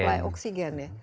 untuk suplai oksigen ya